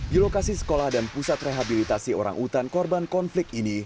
di lokasi sekolah dan pusat rehabilitasi orang utan korban konflik ini